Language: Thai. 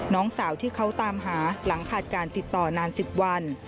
น้องสาวที่เขาตามหาหลังขาดการติดต่อนาน๑๐วัน